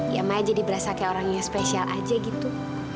ya maya jadi berasa kayak orang yang spesial aja gitu